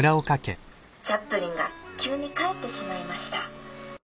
「チャップリンが急に帰ってしまいました。